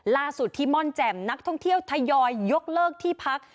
ล่าสุดที่ม่อนแจ่มนักท่องเที่ยวทยอยยกเลิกที่พัก